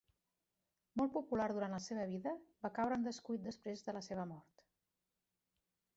Molt popular durant la seva vida, va caure en descuit després la seva mort.